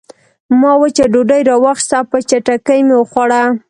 ما وچه ډوډۍ راواخیسته او په چټکۍ مې وخوړه